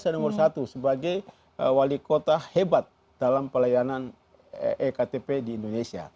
saya nomor satu sebagai wali kota hebat dalam pelayanan ektp di indonesia